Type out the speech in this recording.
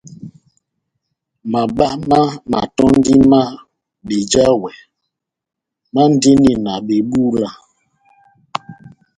Mabá na matɔ́ndi má bejawɛ mandini na bebúla.